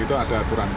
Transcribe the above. itu ada aturan